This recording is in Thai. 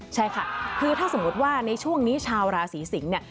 ใช่ค่ะคือถ้าสมมุติว่าในช่วงนี้ชาวราศีสิงศ์เนี่ย